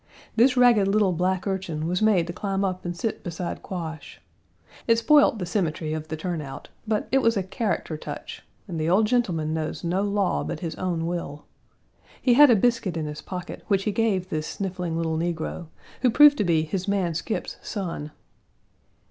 This ragged little black urchin was made to climb up and sit beside Quash. It spoilt the symmetry of the turn out, but it was a character touch, and the old gentleman knows no law but his own will. He had a biscuit in his pocket which he gave this sniffling little negro, who proved to be his man Scip's son.